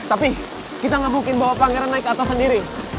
tapi kita ga mungkin bawa pang elan naik ke atas sendiri